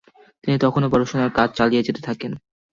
তিনি তখনও পড়াশোনার কাজ চালিয়ে যেতে থাকেন।